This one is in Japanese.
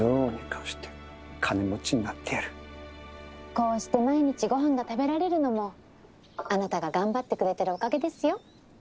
こうして毎日ごはんが食べられるのもあなたが頑張ってくれてるおかげですよ。